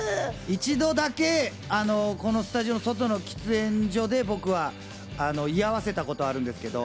一度だけ、このスタジオの外の喫煙所で居合わせたことがあるんですけど。